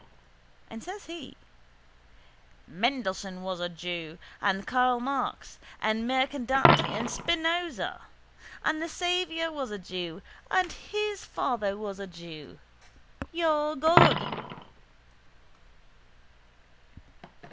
And says he: —Mendelssohn was a jew and Karl Marx and Mercadante and Spinoza. And the Saviour was a jew and his father was a jew. Your God.